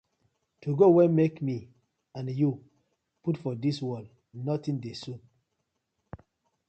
To God wey mak mi and you put for dis world, notin dey sup.